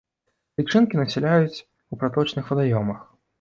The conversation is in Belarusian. Лічынкі насяляюць у праточных вадаёмах.